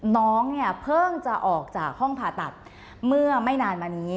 น้องเนี่ยเพิ่งจะออกจากห้องผ่าตัดเมื่อไม่นานมานี้